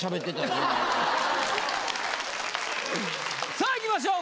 さあいきましょう！